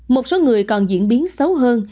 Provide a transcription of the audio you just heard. một số người còn diễn biến xấu hơn